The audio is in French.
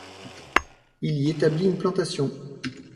Il y établit une plantation.